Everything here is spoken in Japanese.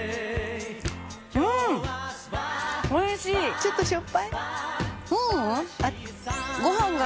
ちょっとしょっぱい？